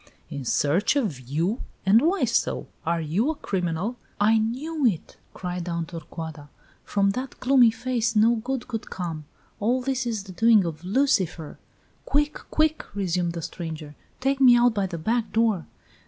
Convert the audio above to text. "In search of you? And why so? Are you a criminal?" "I knew it!" cried Aunt Torcuata. "From that gloomy face no good could come. All this is the doing of Lucifer!" "Quick! quick!" resumed the stranger. Take me out by the back door!"